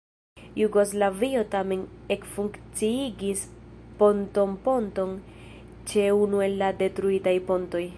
Jugoslavio tamen ekfunkciigis pontonponton ĉe unu el la detruitaj pontoj.